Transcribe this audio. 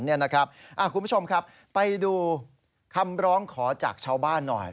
คุณผู้ชมครับไปดูคำร้องขอจากชาวบ้านหน่อย